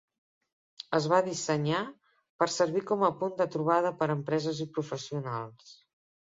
Es va dissenyar per servir com a punt de trobada per empreses i professionals.